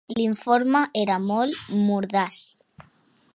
L'informe era molt mordaç.